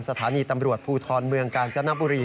สถานีตำรวจภูทรเมืองกาญจนบุรี